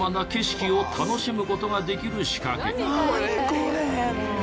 これ」